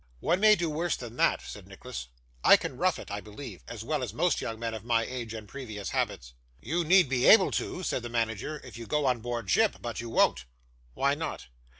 'One may do worse than that,' said Nicholas. 'I can rough it, I believe, as well as most young men of my age and previous habits.' 'You need be able to,' said the manager, 'if you go on board ship; but you won't.' 'Why not?